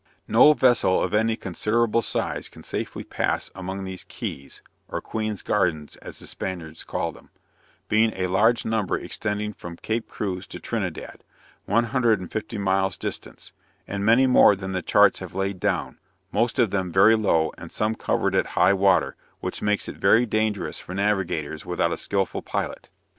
No vessel of any considerable size, can safely pass among these Keys (or "Queen's Gardens," as the Spaniards call them) being a large number extending from Cape Cruz to Trinidad, one hundred and fifty miles distance; and many more than the charts have laid down, most of them very low and some covered at high water, which makes it very dangerous for navigators without a skilful pilot.